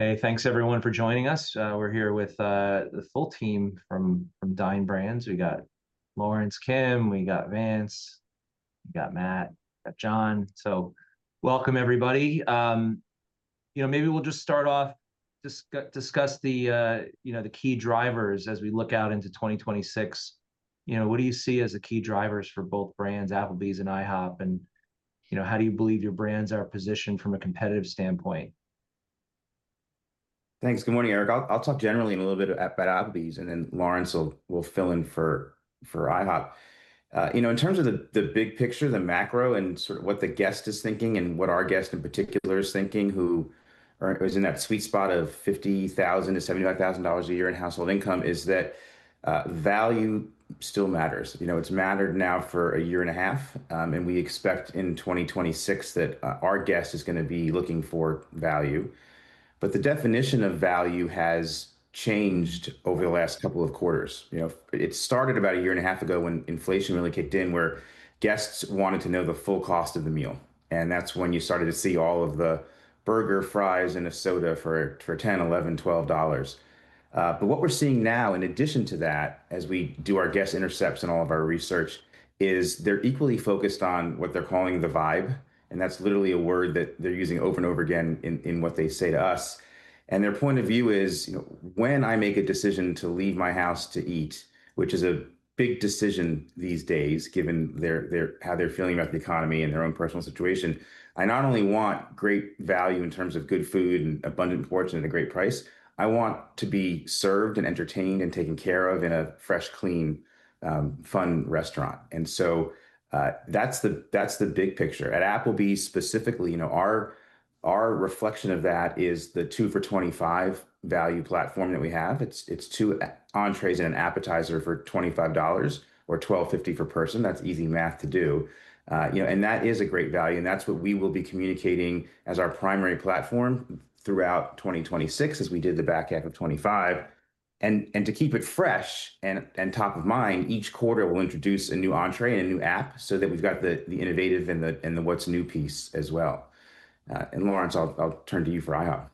Hey, thanks, everyone, for joining us. We're here with the full team from Dine Brands. We got Lawrence Kim, we got Vance, we got Matt, we got John. So welcome, everybody. You know, maybe we'll just start off, discuss the, you know, the key drivers as we look out into 2026. You know, what do you see as the key drivers for both brands, Applebee's and IHOP? And, you know, how do you believe your brands are positioned from a competitive standpoint? Thanks. Good morning, Eric. I'll talk generally in a little bit about Applebee's, and then Lawrence will fill in for IHOP. You know, in terms of the big picture, the macro, and sort of what the guest is thinking, and what our guest in particular is thinking, who is in that sweet spot of $50,000-$75,000 a year in household income, is that value still matters. You know, it's mattered now for a year and a half, and we expect in 2026 that our guest is going to be looking for value. But the definition of value has changed over the last couple of quarters. You know, it started about a year and a half ago when inflation really kicked in, where guests wanted to know the full cost of the meal. And that's when you started to see all of the burger, fries, and a soda for $10, $11, $12. But what we're seeing now, in addition to that, as we do our guest intercepts and all of our research, is they're equally focused on what they're calling the vibe. And that's literally a word that they're using over and over again in what they say to us. And their point of view is, you know, when I make a decision to leave my house to eat, which is a big decision these days, given how they're feeling about the economy and their own personal situation. I not only want great value in terms of good food and abundant portion at a great price, I want to be served and entertained and taken care of in a fresh, clean, fun restaurant. And so that's the big picture. At Applebee's specifically, you know, our reflection of that is the 2 for $25 value platform that we have. It's two entrées and an appetizer for $25 or $12.50 per person. That's easy math to do. You know, and that is a great value. And that's what we will be communicating as our primary platform throughout 2026, as we did the back half of 2025. And to keep it fresh and top of mind, each quarter we'll introduce a new entree and a new app so that we've got the innovative and the what's new piece as well. And Lawrence, I'll turn to you for IHOP.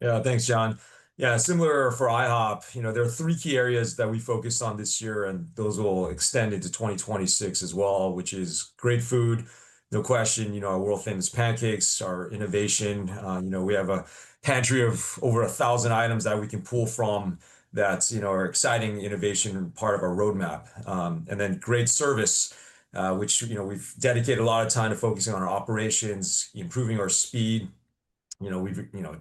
Yeah, thanks, John. Yeah, similar for IHOP, you know, there are three key areas that we focus on this year, and those will extend into 2026 as well, which is great food, no question, you know, our world-famous pancakes, our innovation. You know, we have a pantry of over 1,000 items that we can pull from that, you know, are exciting innovation and part of our roadmap. And then great service, which, you know, we've dedicated a lot of time to focusing on our operations, improving our speed. You know,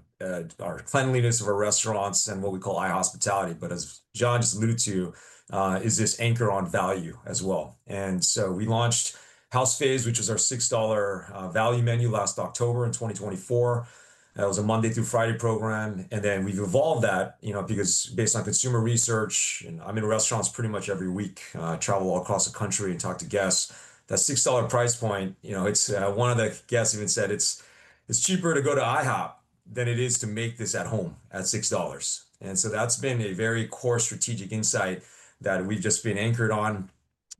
our cleanliness of our restaurants and what we call High Hospitality. But as John just alluded to, is this anchor on value as well. And so we launched House Faves, which was our $6 value menu last October in 2024. That was a Monday-Friday program. And then we've evolved that, you know, because based on consumer research, and I'm in restaurants pretty much every week, travel all across the country and talk to guests. That $6 price point, you know, it's one of the guests even said it's cheaper to go to IHOP than it is to make this at home at $6. And so that's been a very core strategic insight that we've just been anchored on.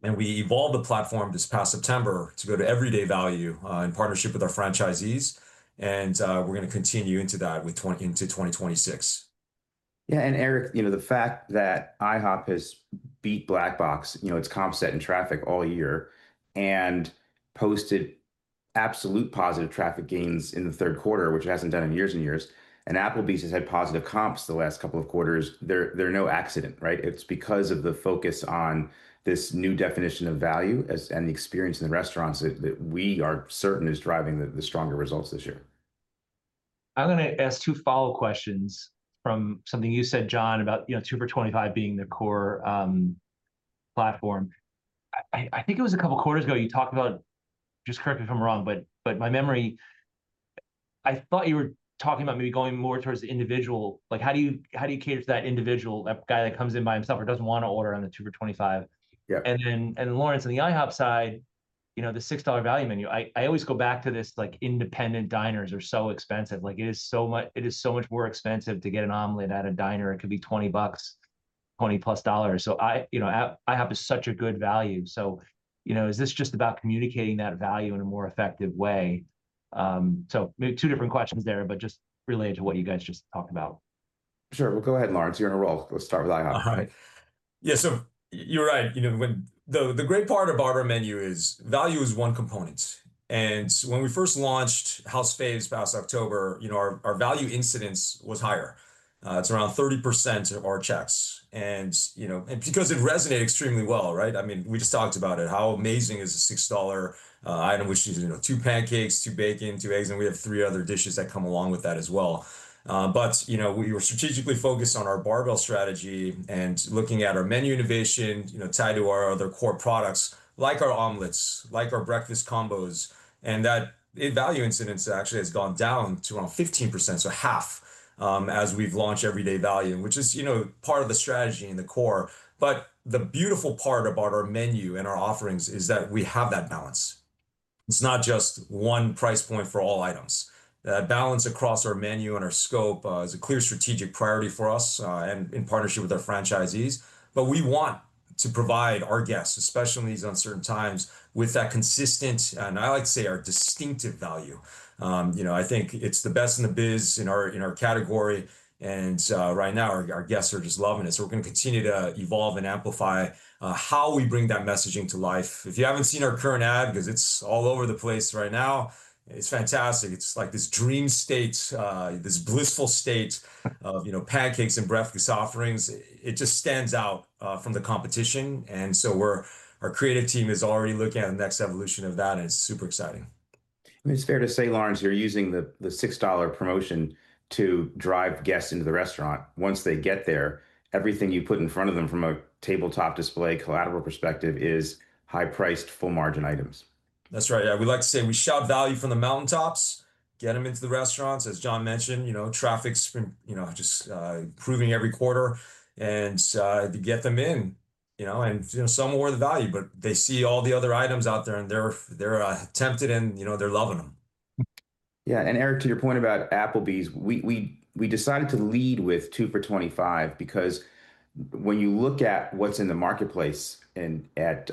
And we evolved the platform this past September to go to everyday value in partnership with our franchisees. And we're going to continue into that into 2026. Yeah. And Eric, you know, the fact that IHOP has beat Black Box, you know, its comp set in traffic all year and posted absolute positive traffic gains in the third quarter, which it hasn't done in years and years. And Applebee's has had positive comps the last couple of quarters. They're no accident, right? It's because of the focus on this new definition of value and the experience in the restaurants that we are certain is driving the stronger results this year. I'm going to ask two follow-up questions from something you said, John, about, you know, 2 for $25 being the core platform. I think it was a couple of quarters ago you talked about, just correct me if I'm wrong, but my memory, I thought you were talking about maybe going more towards the individual. Like, how do you cater to that individual guy that comes in by himself or doesn't want to order on the 2 for $25? Yeah. Lawrence, on the IHOP side, you know, the $6 value menu, I always go back to this, like, independent diners are so expensive. Like, it is so much more expensive to get an omelet at a diner. It could be $20, $20-plus dollars. So I, you know, IHOP is such a good value. So, you know, is this just about communicating that value in a more effective way? So maybe two different questions there, but just related to what you guys just talked about. Sure. Well, go ahead, Lawrence. You're on a roll. Let's start with IHOP. All right. Yeah, so you're right. You know, the great part of our menu is value is one component. And when we first launched House Faves last October, you know, our value incidence was higher. It's around 30% of our checks. And, you know, because it resonated extremely well, right? I mean, we just talked about it. How amazing is a $6 item, which is, you know, two pancakes, two bacon, two eggs, and we have three other dishes that come along with that as well. But, you know, we were strategically focused on our barbell strategy and looking at our menu innovation, you know, tied to our other core products, like our omelets, like our breakfast combos. And that value incidence actually has gone down to around 15%, so half, as we've launched everyday value, which is, you know, part of the strategy and the core. But the beautiful part about our menu and our offerings is that we have that balance. It's not just one price point for all items. That balance across our menu and our scope is a clear strategic priority for us and in partnership with our franchisees. But we want to provide our guests, especially in these uncertain times, with that consistent, and I like to say our distinctive value. You know, I think it's the best in the biz in our category. And right now, our guests are just loving it. So we're going to continue to evolve and amplify how we bring that messaging to life. If you haven't seen our current ad, because it's all over the place right now, it's fantastic. It's like this dream state, this blissful state of, you know, pancakes and breakfast offerings. It just stands out from the competition. Our creative team is already looking at the next evolution of that, and it's super exciting. I mean, it's fair to say, Lawrence, you're using the $6 promotion to drive guests into the restaurant. Once they get there, everything you put in front of them from a tabletop display collateral perspective is high-priced, full-margin items. That's right. We like to say we shove value from the mountaintops, get them into the restaurants, as John mentioned, you know, traffic's, you know, just improving every quarter. And to get them in, you know, and, you know, some will wear the value, but they see all the other items out there, and they're tempted, and, you know, they're loving them. Yeah. And Eric, to your point about Applebee's, we decided to lead with 2 for $25 because when you look at what's in the marketplace and at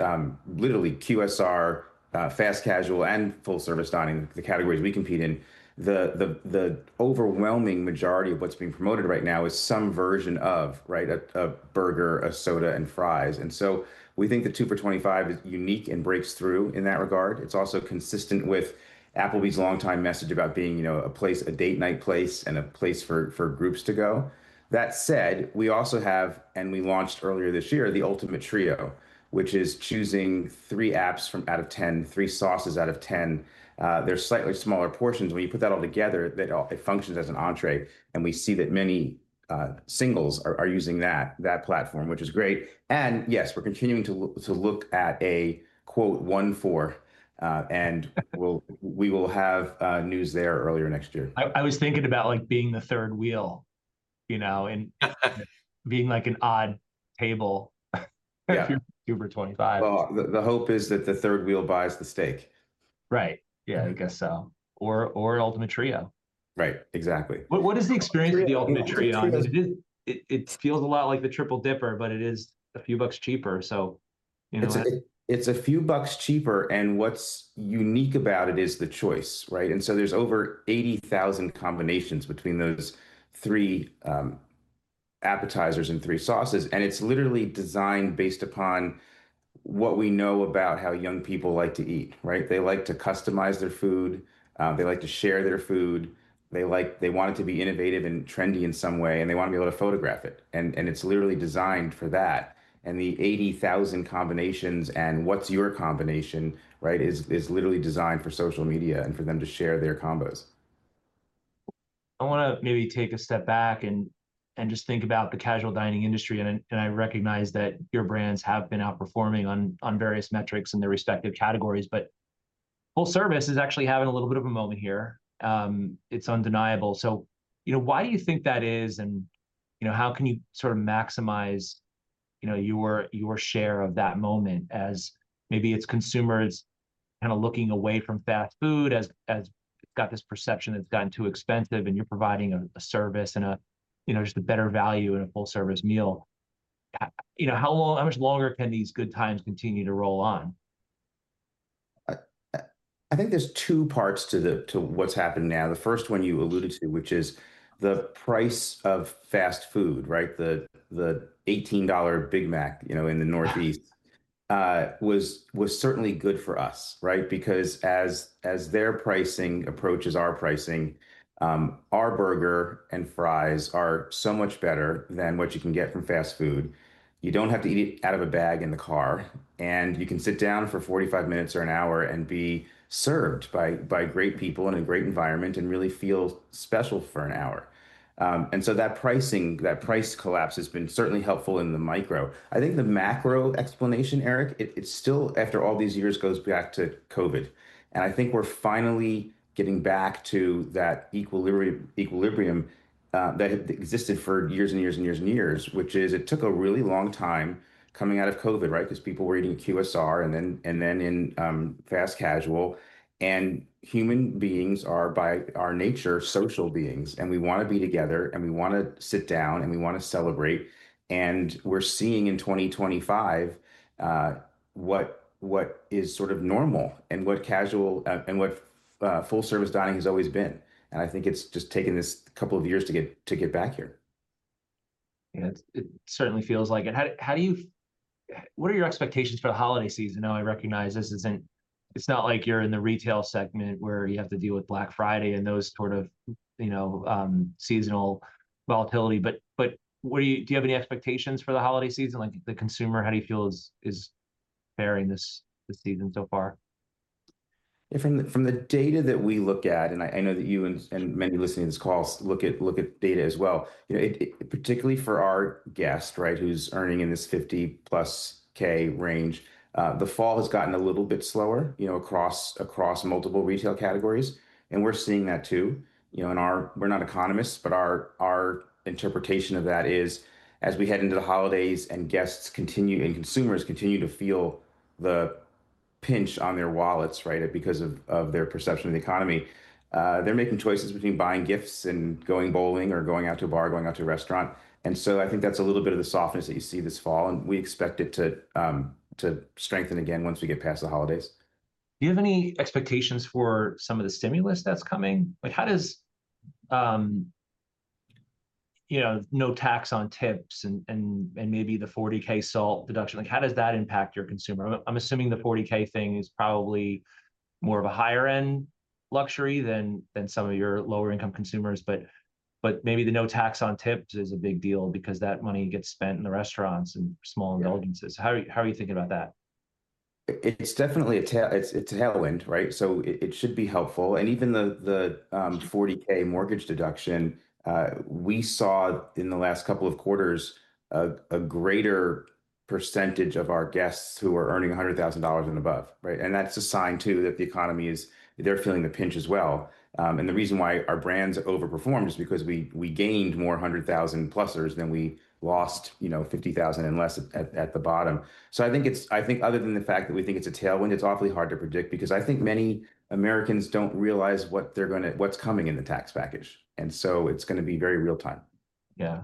literally QSR, fast casual, and full-service dining, the categories we compete in, the overwhelming majority of what's being promoted right now is some version of, right, a burger, a soda, and fries. And so we think the 2 for $25 is unique and breaks through in that regard. It's also consistent with Applebee's longtime message about being, you know, a place, a date night place, and a place for groups to go. That said, we also have, and we launched earlier this year, the Ultimate Trio, which is choosing three apps from out of 10, three sauces out of 10. They're slightly smaller portions. When you put that all together, it functions as an entree. We see that many singles are using that platform, which is great. Yes, we're continuing to look at a quote one for, and we will have news there early next year. I was thinking about, like, being the third wheel, you know, and being like an odd table if you're 2 for $25. The hope is that the third wheel buys the steak. Right. Yeah, I guess so. Or Ultimate Trio. Right. Exactly. What is the experience of the Ultimate Trio? It feels a lot like the Triple Dipper, but it is a few bucks cheaper. So, you know. It's a few bucks cheaper. And what's unique about it is the choice, right? And so there's over 80,000 combinations between those three appetizers and three sauces. And it's literally designed based upon what we know about how young people like to eat, right? They like to customize their food. They like to share their food. They want it to be innovative and trendy in some way. And they want to be able to photograph it. And it's literally designed for that. And the 80,000 combinations and what's your combination, right, is literally designed for social media and for them to share their combos. I want to maybe take a step back and just think about the casual dining industry. And I recognize that your brands have been outperforming on various metrics in their respective categories. But full service is actually having a little bit of a moment here. It's undeniable. So, you know, why do you think that is? And, you know, how can you sort of maximize, you know, your share of that moment as maybe it's consumers kind of looking away from fast food, as it's got this perception that it's gotten too expensive, and you're providing a service and a, you know, just a better value in a full-service meal? You know, how much longer can these good times continue to roll on? I think there's two parts to what's happened now. The first one you alluded to, which is the price of fast food, right? The $18 Big Mac, you know, in the Northeast was certainly good for us, right? Because as their pricing approaches our pricing, our burger and fries are so much better than what you can get from fast food. You don't have to eat it out of a bag in the car, and you can sit down for 45 minutes or an hour and be served by great people and a great environment and really feel special for an hour, and so that pricing, that price collapse has been certainly helpful in the micro. I think the macro explanation, Eric, it still, after all these years, goes back to COVID. I think we're finally getting back to that equilibrium that existed for years and years and years and years, which is it took a really long time coming out of COVID, right? Because people were eating QSR and then in fast casual. And human beings are, by our nature, social beings. And we want to be together. And we want to sit down. And we want to celebrate. And we're seeing in 2025 what is sort of normal and what casual and what full-service dining has always been. And I think it's just taken this couple of years to get back here. Yeah. It certainly feels like it. How do you, what are your expectations for the holiday season? I recognize this isn't, it's not like you're in the retail segment where you have to deal with Black Friday and those sort of, you know, seasonal volatility. But do you have any expectations for the holiday season? Like, the consumer, how do you feel is bearing this season so far? Yeah. From the data that we look at, and I know that you and many listening to this call look at data as well, you know, particularly for our guest, right, who's earning in this $50,000-plus range, the fall has gotten a little bit slower, you know, across multiple retail categories. And we're seeing that too. You know, we're not economists, but our interpretation of that is as we head into the holidays and guests continue and consumers continue to feel the pinch on their wallets, right, because of their perception of the economy, they're making choices between buying gifts and going bowling or going out to a bar, going out to a restaurant. And so I think that's a little bit of the softness that you see this fall. And we expect it to strengthen again once we get past the holidays. Do you have any expectations for some of the stimulus that's coming? Like, how does, you know, no tax on tips and maybe the $40,000 SALT deduction, like, how does that impact your consumer? I'm assuming the $40,000 thing is probably more of a higher-end luxury than some of your lower-income consumers. But maybe the no tax on tips is a big deal because that money gets spent in the restaurants and small indulgences. How are you thinking about that? It's definitely a tailwind, right? So it should be helpful. And even the $40,000 mortgage deduction, we saw in the last couple of quarters a greater percentage of our guests who are earning $100,000 and above, right? And that's a sign, too, that the economy is, they're feeling the pinch as well. And the reason why our brands overperformed is because we gained more 100,000-plussers than we lost, you know, 50,000 and less at the bottom. So I think it's, I think other than the fact that we think it's a tailwind, it's awfully hard to predict because I think many Americans don't realize what they're going to, what's coming in the tax package. And so it's going to be very real-time. Yeah.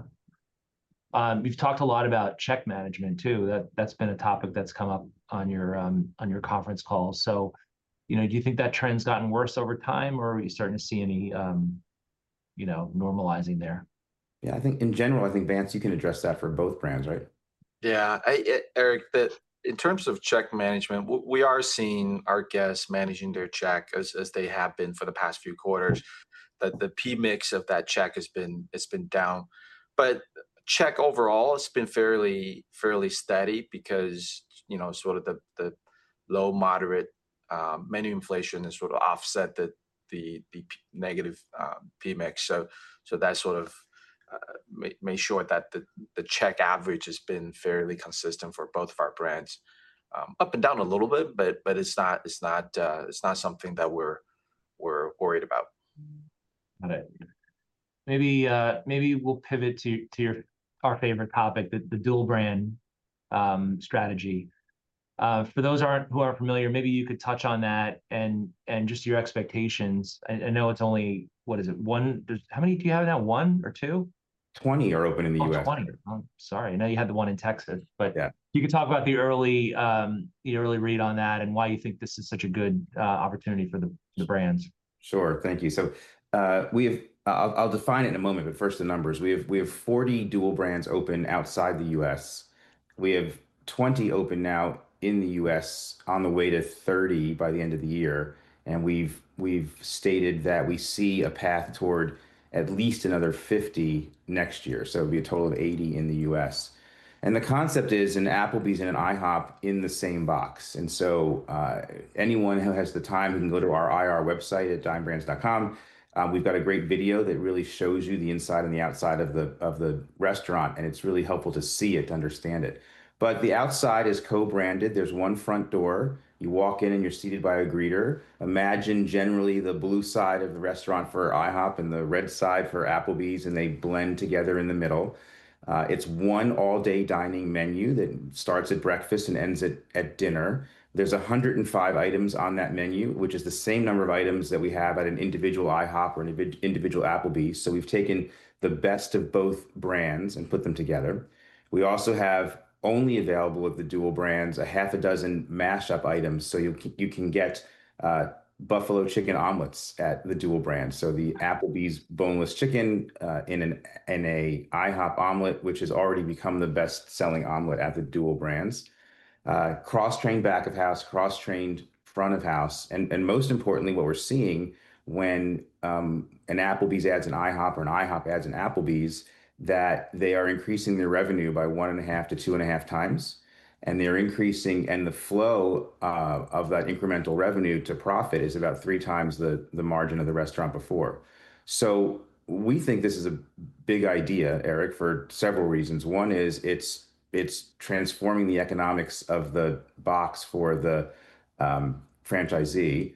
We've talked a lot about check management, too. That's been a topic that's come up on your conference calls. So, you know, do you think that trend's gotten worse over time, or are you starting to see any, you know, normalizing there? Yeah. I think in general, I think, Vance, you can address that for both brands, right? Yeah. Eric, in terms of check management, we are seeing our guests managing their check as they have been for the past few quarters. The PMIX of that check has been down. But check overall, it's been fairly steady because, you know, sort of the low, moderate menu inflation has sort of offset the negative PMIX. So that sort of made sure that the check average has been fairly consistent for both of our brands. Up and down a little bit, but it's not something that we're worried about. Got it. Maybe we'll pivot to your, our favorite topic, the dual-brand strategy. For those who aren't familiar, maybe you could touch on that and just your expectations. I know it's only, what is it, one? How many do you have now? One or two? 20 are open in the U.S. Oh, 20. Sorry. I know you had the one in Texas, but you could talk about the early read on that and why you think this is such a good opportunity for the brands. Sure. Thank you. So we have. I'll define it in a moment, but first, the numbers. We have 40 dual brands open outside the U.S. We have 20 open now in the U.S., on the way to 30 by the end of the year. And we've stated that we see a path toward at least another 50 next year. So it'll be a total of 80 in the U.S. And the concept is an Applebee's and an IHOP in the same box. And so anyone who has the time, you can go to our IR website at dinebrands.com. We've got a great video that really shows you the inside and the outside of the restaurant. And it's really helpful to see it, to understand it. But the outside is co-branded. There's one front door. You walk in, and you're seated by a greeter. Imagine generally the blue side of the restaurant for IHOP and the red side for Applebee's, and they blend together in the middle. It's one all-day dining menu that starts at breakfast and ends at dinner. There's 105 items on that menu, which is the same number of items that we have at an individual IHOP or an individual Applebee's. So we've taken the best of both brands and put them together. We also have only available at the dual brands a half a dozen mash-up items. So you can get Buffalo Chicken Omelets at the dual brands. So the Applebee's boneless chicken and an IHOP omelet, which has already become the best-selling omelet at the dual brands. Cross-trained back-of-house, cross-trained front-of-house. Most importantly, what we're seeing when an Applebee's adds an IHOP or an IHOP adds an Applebee's, that they are increasing their revenue by one and a half to two and a half times. They're increasing, and the flow of that incremental revenue to profit is about three times the margin of the restaurant before. We think this is a big idea, Eric, for several reasons. One is it's transforming the economics of the box for the franchisee.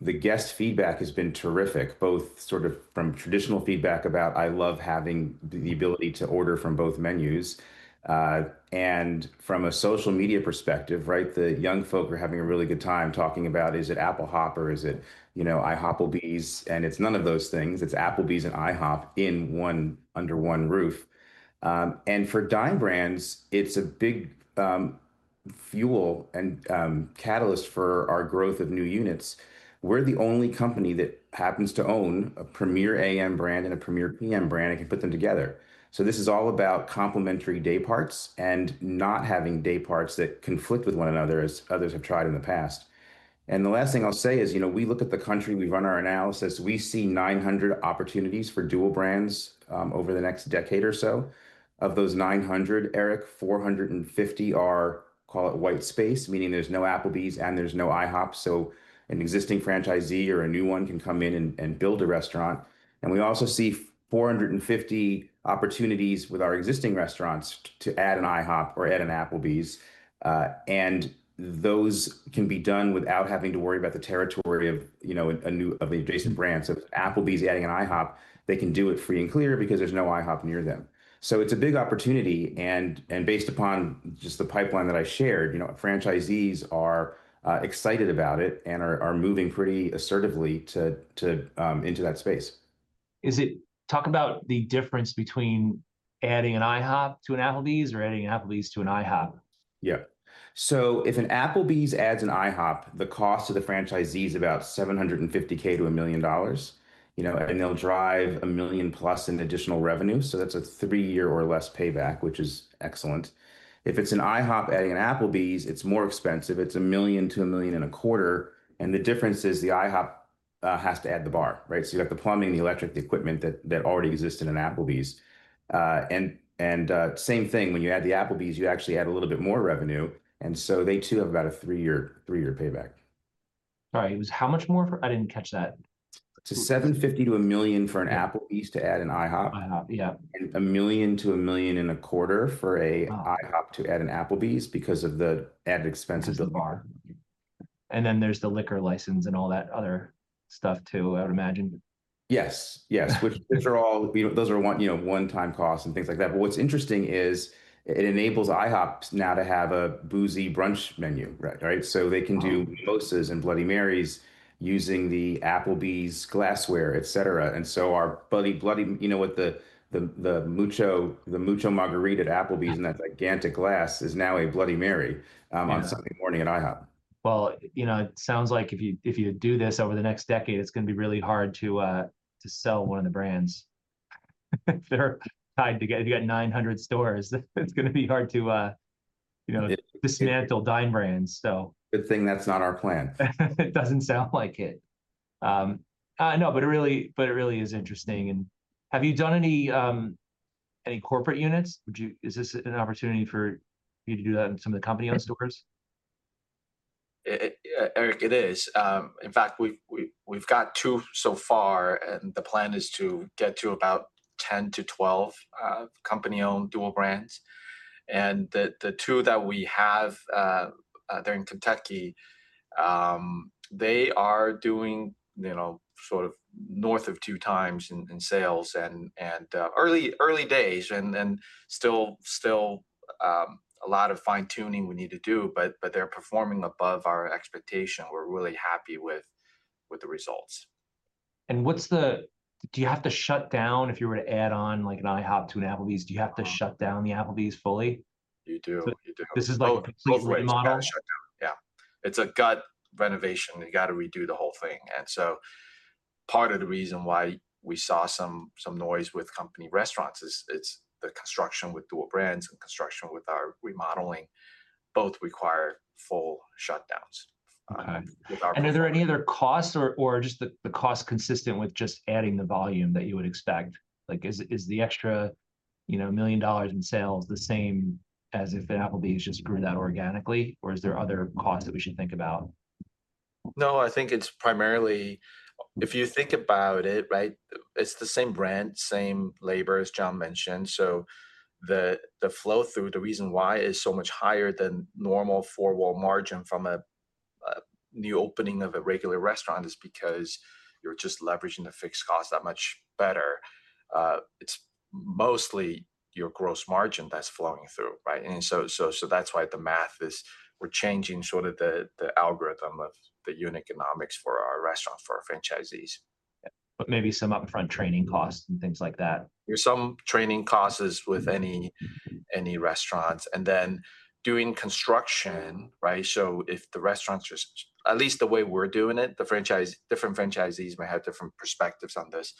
The guest feedback has been terrific, both sort of from traditional feedback about, "I love having the ability to order from both menus." From a social media perspective, right, the young folk are having a really good time talking about, "Is it AppleHOP or is it, you know, IHOPplebee's?" It's none of those things. It's Applebee's and IHOP under one roof. For Dine Brands, it's a big fuel and catalyst for our growth of new units. We're the only company that happens to own a premier AM brand and a premier PM brand and can put them together. This is all about complementary dayparts and not having dayparts that conflict with one another as others have tried in the past. The last thing I'll say is, you know, we look at the country, we run our analysis, we see 900 opportunities for dual brands over the next decade or so. Of those 900, Eric, 450 are, call it, white space, meaning there's no Applebee's and there's no IHOP. So an existing franchisee or a new one can come in and build a restaurant. We also see 450 opportunities with our existing restaurants to add an IHOP or add an Applebee's. Those can be done without having to worry about the territory of, you know, an adjacent brand. Applebee's adding an IHOP, they can do it free and clear because there's no IHOP near them. It's a big opportunity. Based upon just the pipeline that I shared, you know, franchisees are excited about it and are moving pretty assertively into that space. Is there talk about the difference between adding an IHOP to an Applebee's or adding an Applebee's to an IHOP? Yeah. So if an Applebee's adds an IHOP, the cost to the franchisee is about $750,000-$1 million, you know, and they'll drive a $1 million-plus in additional revenue. So that's a three-year or less payback, which is excellent. If it's an IHOP adding an Applebee's, it's more expensive. It's $1 million-$1.25 million. And the difference is the IHOP has to add the bar, right? So you got the plumbing, the electric, the equipment that already existed in an Applebee's. And same thing, when you add the Applebee's, you actually add a little bit more revenue. And so they too have about a three-year payback. Sorry. It was how much more? I didn't catch that. $750-$1 million for an Applebee's to add an IHOP. IHOP, yeah. $1 million-$1.25 million for an IHOP to add an Applebee's because of the added expenses of the bar. There's the liquor license and all that other stuff too, I would imagine. Yes. Yes. Which those are all, those are one-time costs and things like that. But what's interesting is it enables IHOPs now to have a boozy brunch menu, right? So they can do mimosas and Bloody Marys using the Applebee's glassware, et cetera. And so our Bloody Mary, you know, with the Mucho Margarita at Applebee's and that gigantic glass is now a Bloody Mary on a Sunday morning at IHOP. You know, it sounds like if you do this over the next decade, it's going to be really hard to sell one of the brands. They're tied together. You got 900 stores. It's going to be hard to, you know, dismantle Dine Brands, so. Good thing that's not our plan. It doesn't sound like it. No, but it really is interesting. Have you done any corporate units? Is this an opportunity for you to do that in some of the company owned stores? Eric, it is. In fact, we've got two so far, and the plan is to get to about 10 to 12 company-owned dual brands. And the two that we have there in Kentucky, they are doing, you know, sort of north of two times in sales and early days. And still a lot of fine-tuning we need to do, but they're performing above our expectation. We're really happy with the results. Do you have to shut down if you were to add on like an IHOP to an Applebee's? Do you have to shut down the Applebee's fully? You do. You do. This is like a complete remodel? Yeah. It's a gut renovation. You got to redo the whole thing. And so part of the reason why we saw some noise with company restaurants is the construction with dual brands and construction with our remodeling both require full shutdowns. Okay. And are there any other costs or just the cost consistent with just adding the volume that you would expect? Like, is the extra, you know, million dollars in sales the same as if an Applebee's just grew that organically, or is there other costs that we should think about? No, I think it's primarily, if you think about it, right, it's the same brand, same labor, as John mentioned, so the flow through, the reason why is so much higher than normal four-wall margin from a new opening of a regular restaurant is because you're just leveraging the fixed cost that much better. It's mostly your gross margin that's flowing through, right, and so that's why the math is we're changing sort of the algorithm of the unit economics for our restaurants, for our franchisees. But maybe some upfront training costs and things like that. There's some training costs with any restaurants, and then doing construction, right, so if the restaurants are, at least the way we're doing it, the different franchisees may have different perspectives on this.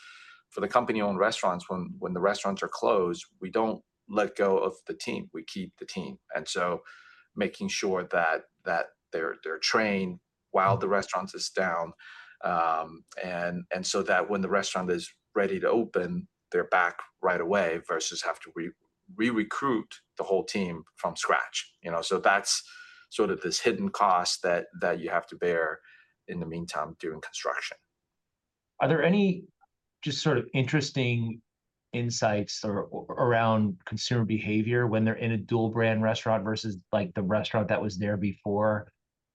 For the company-owned restaurants, when the restaurants are closed, we don't let go of the team. We keep the team, and so making sure that they're trained while the restaurant is down, and so that when the restaurant is ready to open, they're back right away versus have to re-recruit the whole team from scratch, you know, so that's sort of this hidden cost that you have to bear in the meantime during construction. Are there any just sort of interesting insights around consumer behavior when they're in a dual-brand restaurant versus like the restaurant that was there before?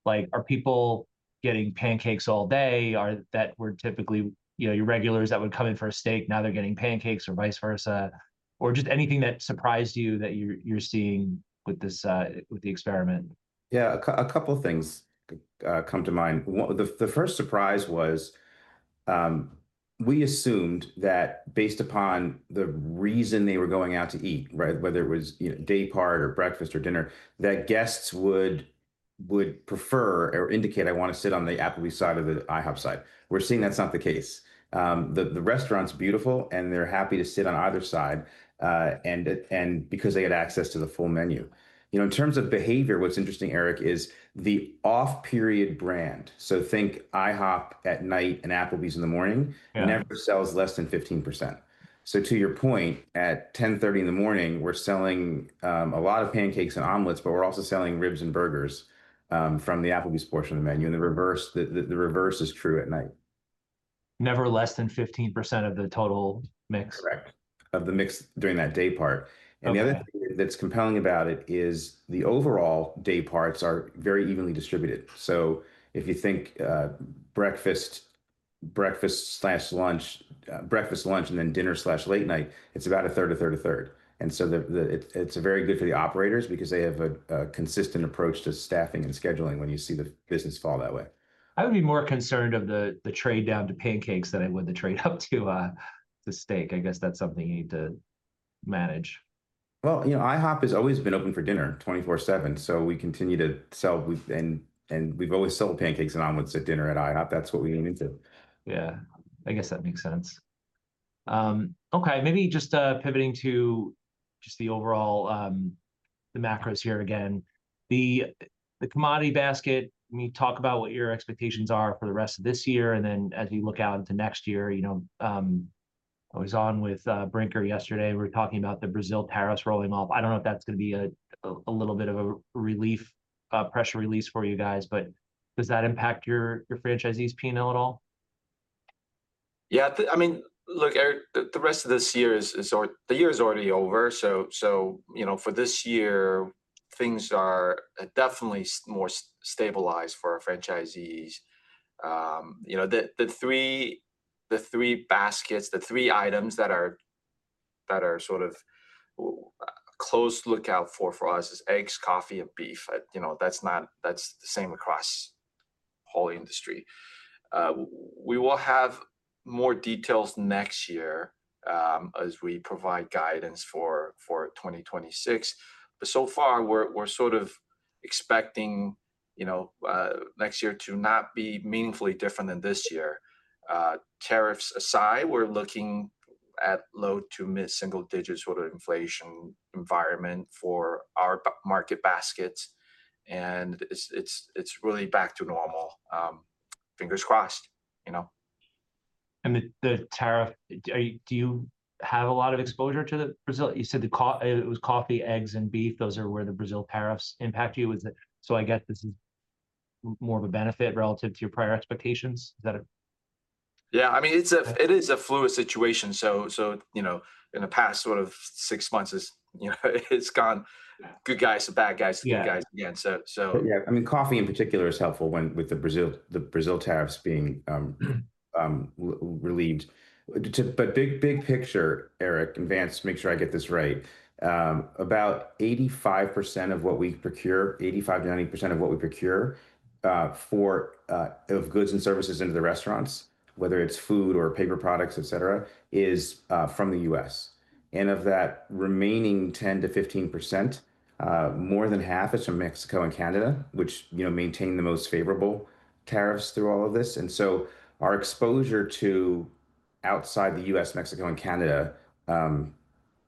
Like, are people getting pancakes all day? Are that were typically, you know, your regulars that would come in for a steak, now they're getting pancakes or vice versa? Or just anything that surprised you that you're seeing with the experiment? Yeah, a couple of things come to mind. The first surprise was we assumed that based upon the reason they were going out to eat, right, whether it was day part or breakfast or dinner, that guests would prefer or indicate, "I want to sit on the Applebee's side or the IHOP side." We're seeing that's not the case. The restaurant's beautiful, and they're happy to sit on either side because they had access to the full menu. You know, in terms of behavior, what's interesting, Eric, is the off-period brand, so think IHOP at night and Applebee's in the morning, never sells less than 15%. So to your point, at 10:30 A.M., we're selling a lot of pancakes and omelets, but we're also selling ribs and burgers from the Applebee's portion of the menu, and the reverse is true at night. Never less than 15% of the total mix. Correct. Of the mix during that day part, and the other thing that's compelling about it is the overall dayparts are very evenly distributed, so if you think breakfast/lunch, breakfast/lunch and then dinner/late night, it's about a third, a third, a third, and so it's very good for the operators because they have a consistent approach to staffing and scheduling when you see the business fall that way. I would be more concerned of the trade down to pancakes than I would the trade up to steak. I guess that's something you need to manage. Well, you know, IHOP has always been open for dinner 24/7. So we continue to sell, and we've always sold pancakes and omelets at dinner at IHOP. That's what we lean into. Yeah. I guess that makes sense. Okay. Maybe just pivoting to just the overall, the macros here again. The commodity basket, let me talk about what your expectations are for the rest of this year. And then as we look out into next year, you know, I was on with Brinker yesterday. We were talking about the Brazil premium rolling off. I don't know if that's going to be a little bit of a relief, a pressure release for you guys, but does that impact your franchisees' P&L at all? Yeah. I mean, look, Eric, the rest of this year is already over. So, you know, for this year, things are definitely more stabilized for our franchisees. You know, the three baskets, the three items that are sort of close lookout for us is eggs, coffee, and beef. You know, that's the same across the whole industry. We will have more details next year as we provide guidance for 2026. But so far, we're sort of expecting, you know, next year to not be meaningfully different than this year. Tariffs aside, we're looking at low- to mid-single-digit sort of inflation environment for our market baskets. And it's really back to normal. Fingers crossed, you know. The tariff, do you have a lot of exposure to Brazil? You said it was coffee, eggs, and beef. Those are where the Brazil tariffs impact you. I guess this is more of a benefit relative to your prior expectations. Is that a? Yeah. I mean, it is a fluid situation. So, you know, in the past sort of six months, it's gone good guys to bad guys to good guys again. So. Yeah. I mean, coffee in particular is helpful with the Brazil tariffs being relieved. But big picture, Eric, and Vance, make sure I get this right, about 85% of what we procure, 85%-90% of what we procure of goods and services into the restaurants, whether it's food or paper products, et cetera, is from the U.S. And of that remaining 10%-15%, more than half is from Mexico and Canada, which, you know, maintain the most favorable tariffs through all of this. And so our exposure to outside the U.S., Mexico, and Canada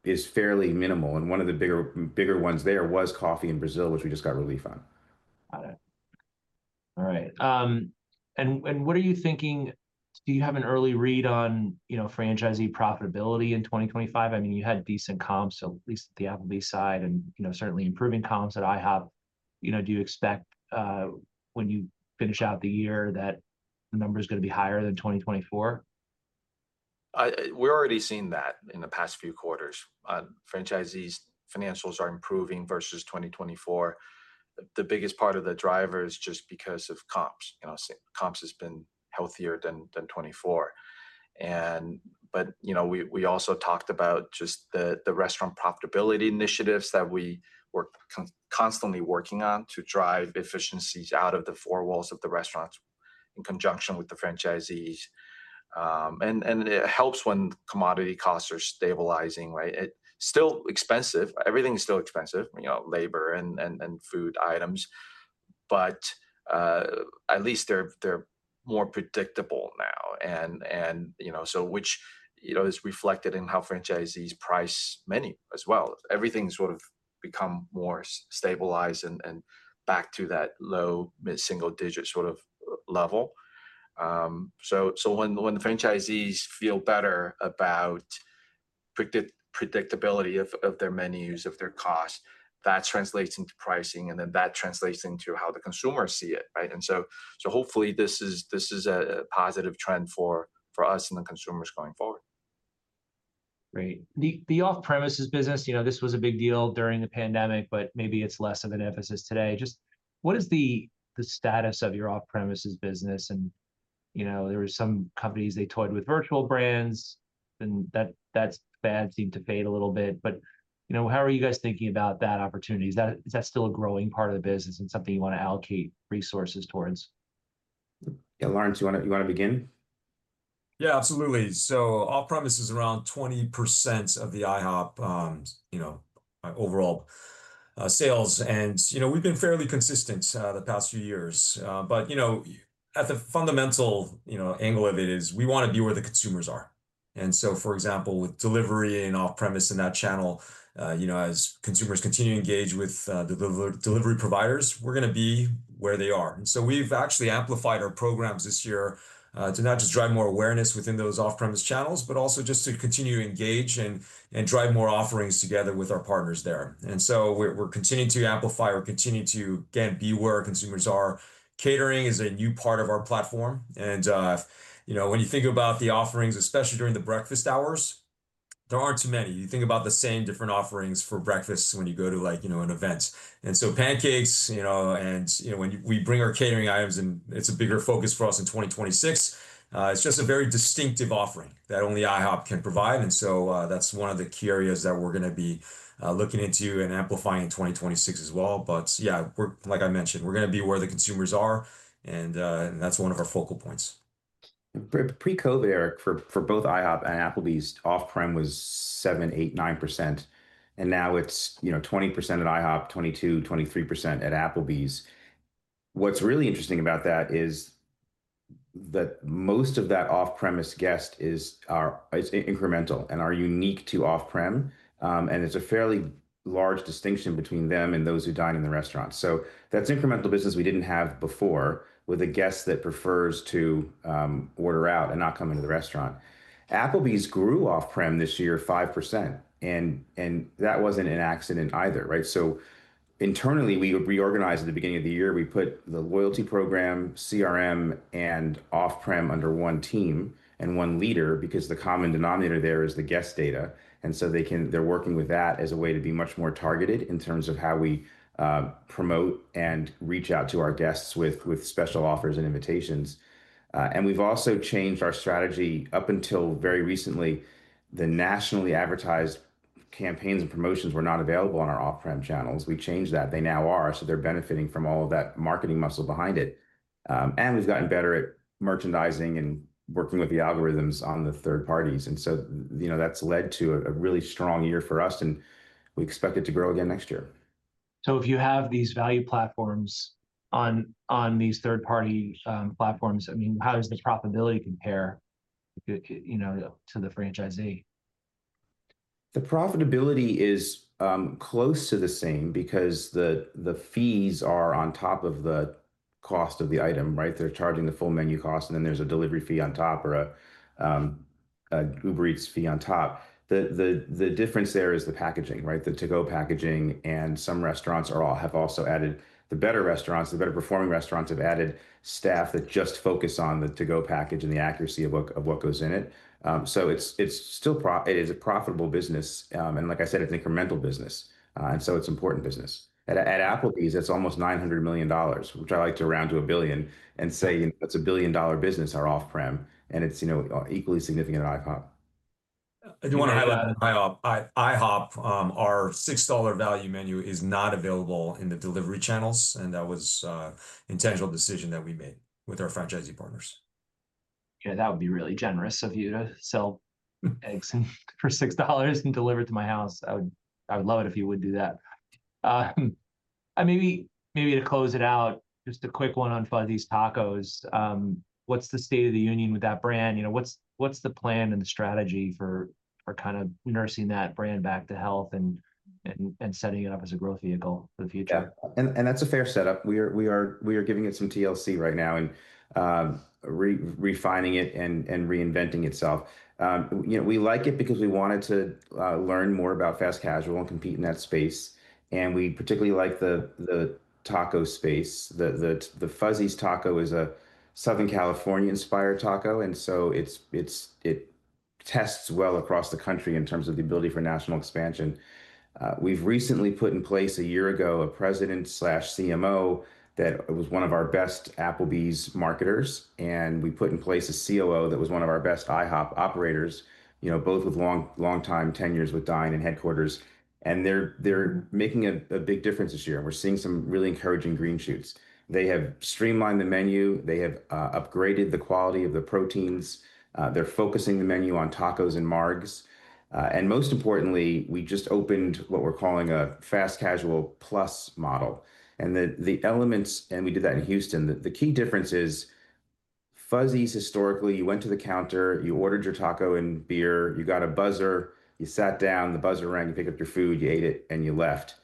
is fairly minimal. And one of the bigger ones there was coffee in Brazil, which we just got relief on. Got it. All right. And what are you thinking? Do you have an early read on, you know, franchisee profitability in 2025? I mean, you had decent comps, at least at the Applebee's side, and, you know, certainly improving comps at IHOP. You know, do you expect when you finish out the year that the number is going to be higher than 2024? We're already seeing that in the past few quarters. Franchisees' financials are improving versus 2024. The biggest part of the driver is just because of comps. You know, comps has been healthier than 2024. But, you know, we also talked about just the restaurant profitability initiatives that we were constantly working on to drive efficiencies out of the four walls of the restaurants in conjunction with the franchisees. And it helps when commodity costs are stabilizing, right? Still expensive. Everything is still expensive, you know, labor and food items. But at least they're more predictable now. And, you know, so which, you know, is reflected in how franchisees price menu as well. Everything's sort of become more stabilized and back to that low mid-single digit sort of level. When the franchisees feel better about predictability of their menus, of their costs, that translates into pricing, and then that translates into how the consumers see it, right? Hopefully this is a positive trend for us and the consumers going forward. Great. The off-premises business, you know, this was a big deal during the pandemic, but maybe it's less of an emphasis today. Just what is the status of your off-premises business? And, you know, there were some companies they toyed with virtual brands, and that fad seemed to fade a little bit. But, you know, how are you guys thinking about that opportunity? Is that still a growing part of the business and something you want to allocate resources towards? Yeah, Lawrence, you want to begin? Yeah, absolutely. So off-premises is around 20% of the IHOP, you know, overall sales. And, you know, we've been fairly consistent the past few years. But, you know, at the fundamental, you know, angle of it is we want to be where the consumers are. And so, for example, with delivery and off-premises in that channel, you know, as consumers continue to engage with the delivery providers, we're going to be where they are. And so we've actually amplified our programs this year to not just drive more awareness within those off-premises channels, but also just to continue to engage and drive more offerings together with our partners there. And so we're continuing to amplify. We're continuing to, again, be where our consumers are. Catering is a new part of our platform. And, you know, when you think about the offerings, especially during the breakfast hours, there aren't too many. You think about the same different offerings for breakfast when you go to, like, you know, an event. And so pancakes, you know, and, you know, when we bring our catering items, and it's a bigger focus for us in 2026, it's just a very distinctive offering that only IHOP can provide. And so that's one of the key areas that we're going to be looking into and amplifying in 2026 as well. But yeah, like I mentioned, we're going to be where the consumers are, and that's one of our focal points. Pre-COVID, Eric, for both IHOP and Applebee's, off-prem was 7%-9%. And now it's, you know, 20% at IHOP, 22%-23% at Applebee's. What's really interesting about that is that most of that off-premise guest is incremental and are unique to off-prem. And it's a fairly large distinction between them and those who dine in the restaurant. So that's incremental business we didn't have before with a guest that prefers to order out and not come into the restaurant. Applebee's grew off-prem this year 5%. And that wasn't an accident either, right? So internally, we reorganized at the beginning of the year. We put the loyalty program, CRM, and off-prem under one team and one leader because the common denominator there is the guest data. And so they can, they're working with that as a way to be much more targeted in terms of how we promote and reach out to our guests with special offers and invitations. And we've also changed our strategy. Up until very recently, the nationally advertised campaigns and promotions were not available on our off-prem channels. We changed that. They now are. So they're benefiting from all of that marketing muscle behind it. And we've gotten better at merchandising and working with the algorithms on the third parties. And so, you know, that's led to a really strong year for us, and we expect it to grow again next year. So if you have these value platforms on these third-party platforms, I mean, how does the profitability compare, you know, to the franchisee? The profitability is close to the same because the fees are on top of the cost of the item, right? They're charging the full menu cost, and then there's a delivery fee on top or a Uber Eats fee on top. The difference there is the packaging, right? The to-go packaging. And some restaurants have also added the better restaurants, the better performing restaurants have added staff that just focus on the to-go package and the accuracy of what goes in it. So it's still, it is a profitable business. And like I said, it's an incremental business. And so it's important business. At Applebee's, that's almost $900 million, which I like to round to a billion and say, you know, that's a billion-dollar business, our off-prem. And it's, you know, equally significant at IHOP. At IHOP, our $6 value menu is not available in the delivery channels, and that was an intentional decision that we made with our franchisee partners. Yeah, that would be really generous of you to sell eggs for $6 and deliver it to my house. I would love it if you would do that. And maybe to close it out, just a quick one on Fuzzy's Tacos. What's the state of the union with that brand? You know, what's the plan and the strategy for kind of nursing that brand back to health and setting it up as a growth vehicle for the future? That's a fair setup. We are giving it some TLC right now and refining it and reinventing itself. You know, we like it because we wanted to learn more about fast casual and compete in that space. We particularly like the taco space. The Fuzzy's Taco is a Southern California-inspired taco. So it tests well across the country in terms of the ability for national expansion. We've recently put in place a year ago a president/CMO that was one of our best Applebee's marketers. We put in place a COO that was one of our best IHOP operators, you know, both with long-time tenures with Dine and headquarters. They're making a big difference this year. We're seeing some really encouraging green shoots. They have streamlined the menu. They have upgraded the quality of the proteins. They're focusing the menu on tacos and margs. And most importantly, we just opened what we're calling a Fast Casual Plus model. And the elements, and we did that in Houston. The key difference is Fuzzy's historically, you went to the counter, you ordered your taco and beer, you got a buzzer, you sat down, the buzzer rang, you picked up your food, you ate it, and you left.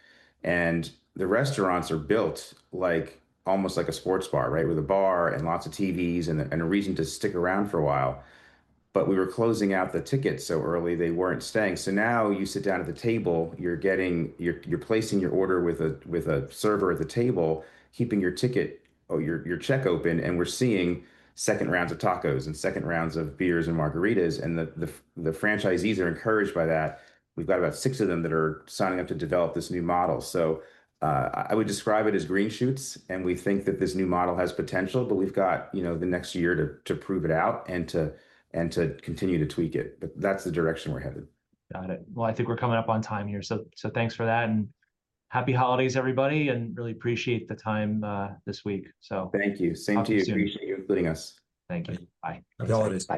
And the restaurants are built like almost like a sports bar, right, with a bar and lots of TVs and a reason to stick around for a while. But we were closing out the tickets so early, they weren't staying. So now you sit down at the table, you're getting, you're placing your order with a server at the table, keeping your ticket, your check open, and we're seeing second rounds of tacos and second rounds of beers and margaritas. And the franchisees are encouraged by that. We've got about six of them that are signing up to develop this new model. So I would describe it as green shoots. And we think that this new model has potential, but we've got, you know, the next year to prove it out and to continue to tweak it. But that's the direction we're headed. Got it. Well, I think we're coming up on time here. So thanks for that. And happy holidays, everybody. And really appreciate the time this week. Thank you. Same to you. Appreciate you including us. Thank you. Bye. That's all it is.